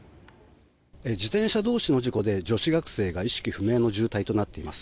自転車同士の事故で女子学生が意識不明の重体となっています。